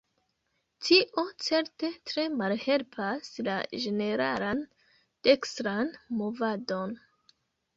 Tio, certe, tre malhelpas la ĝeneralan dekstran movadon.